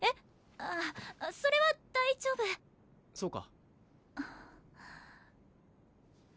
あそれは大丈夫そうか